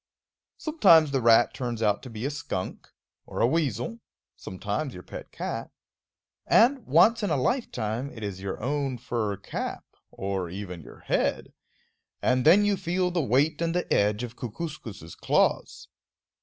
Sometimes the rat turns out to be a skunk, or a weasel; sometimes your pet cat; and, once in a lifetime, it is your own fur cap, or even your head; and then you feel the weight and the edge of Kookooskoos' claws.